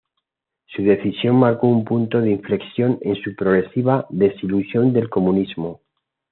Su decisión marcó un punto de inflexión en su progresiva desilusión del comunismo.